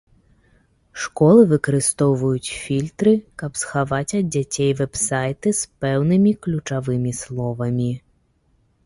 Школы выкарыстоўваюць фільтры, каб схаваць ад дзяцей вэб-сайты з пэўнымі ключавымі словамі.